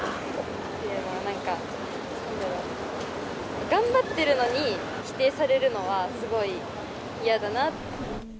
っていうのは、なんか、頑張ってるのに、否定されるのは、すごい嫌だな。